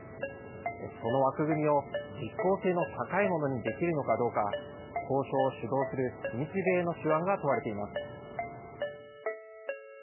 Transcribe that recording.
その枠組みを実効性の高いものにできるのかどうか、交渉を主導する日米の手腕が問われています。